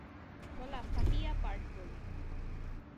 গলা ফাটিয়া পার্ট বলি।